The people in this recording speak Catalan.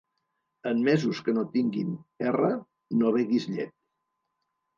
En mesos que no tinguin «r», no beguis llet.